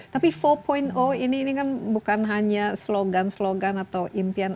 tapi empat ini kan bukan hanya slogan slogan atau impian